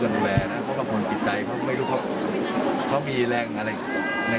ไม่มีใครเคยคิดตะแก่เรื่องก่อนแบบนี้